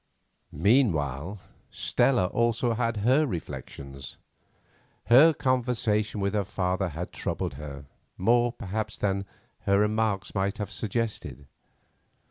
Meanwhile, Stella also had her reflections. Her conversation with her father had troubled her, more, perhaps, than her remarks might have suggested.